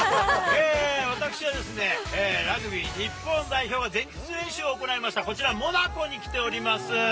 私は、ラグビー日本代表が前日練習を行いました、こちら、モナコに来ております。